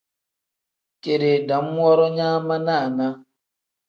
Keeri dam woro nyaa ma naana.